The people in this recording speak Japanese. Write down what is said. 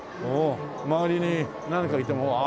周りに何かいてもああ。